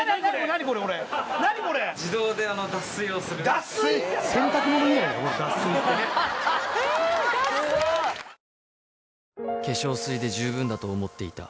何これこれ化粧水で十分だと思っていた